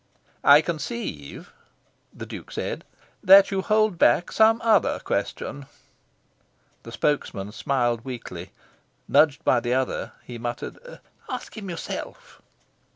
"I conceive," the Duke said, "that you hold back some other question." The spokesman smiled weakly. Nudged by the other, he muttered "Ask him yourself!"